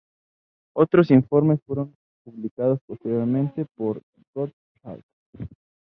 Otros informes fueron publicados posteriormente por Gottschalk.